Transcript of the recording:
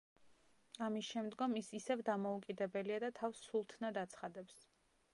ამის შემდგომ ის ისევ დამოუკიდებელია და თავს სულთნად აცხადებს.